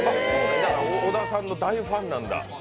小田さんの大ファンなんだ。